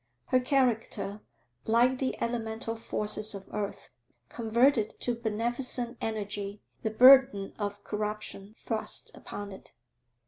Her character, like the elemental forces of earth, converted to beneficent energy the burden of corruption thrust upon it.